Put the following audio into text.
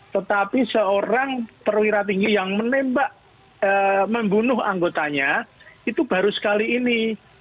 tetapi seorang perwira tinggi yang menembak membunuh anggotanya itu baru sekali ini